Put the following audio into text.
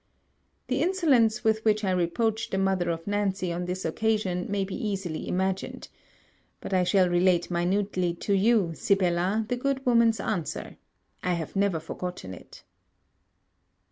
The insolence with which I reproached the mother of Nancy on this occasion may be easily imagined; but I shall relate minutely to you, Sibella, the good woman's answer; I have never forgotten it.